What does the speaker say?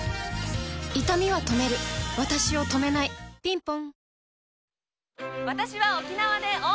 いたみは止めるわたしを止めないぴんぽん